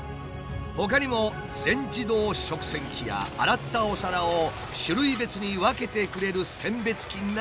ほかにも全自動食洗機や洗ったお皿を種類別に分けてくれる選別機などを開発。